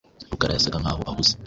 Rukara yasaga nkaho ahuze?